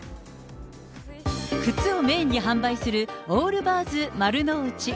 靴をメインに販売するオールバーズ丸の内。